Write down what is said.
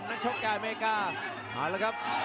มันชกกับอเมกาก็มาละครับ